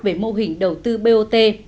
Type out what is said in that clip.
về mô hình đầu tư bot